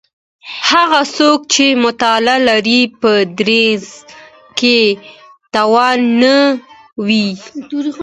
هغه څوک چي مطالعه لري په دریځ کي توند نه وي.